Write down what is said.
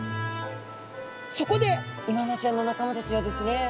そこでイワナちゃんの仲間たちはですね